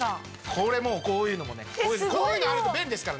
これこういうのもねこういうのあると便利ですからね。